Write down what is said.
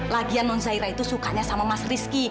lagian non zahira itu sukanya sama mas rizky